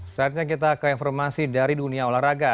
saatnya kita ke informasi dari dunia olahraga